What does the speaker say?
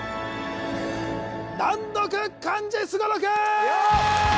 難読漢字すごろくよっ！